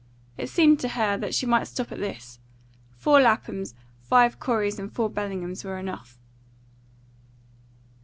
It seemed to her that she might stop at this: four Laphams, five Coreys, and four Bellinghams were enough.